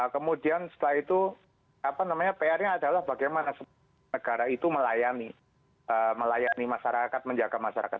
kemudian setelah itu pr nya adalah bagaimana negara itu melayani masyarakat menjaga masyarakat